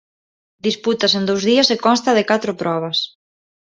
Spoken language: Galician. Dispútase en dous días e consta de catro probas.